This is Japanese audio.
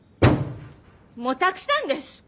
・もうたくさんです！